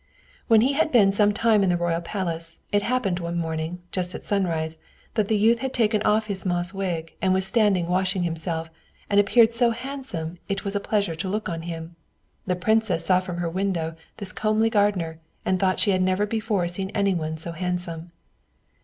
When he had been some time in the royal palace, it happened one morning, just at sunrise, that the youth had taken off his moss wig and was standing washing himself, and appeared so handsome it was a pleasure to look on him. The princess saw from her window this comely gardener, and thought she had never before seen any one so handsome.